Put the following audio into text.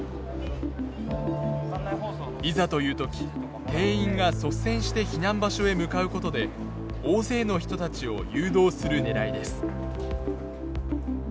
いざという時店員が率先して避難場所へ向かうことで大勢の人たちを誘導するねらいです。